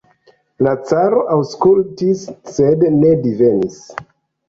La caro aŭskultis, sed ne divenis.